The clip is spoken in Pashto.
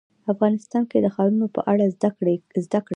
افغانستان کې د ښارونه په اړه زده کړه کېږي.